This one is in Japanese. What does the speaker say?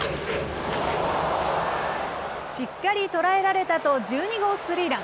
しっかり捉えられたと、１２号スリーラン。